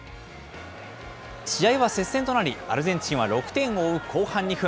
試合は接戦となり、アルゼンチンは６点を追う後半２分。